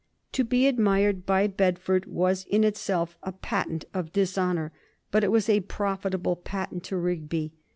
To be admired by Bedford was in itself a patent of dishonor, but it was a profitable patent to Rigby.